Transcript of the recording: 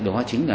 đó chính là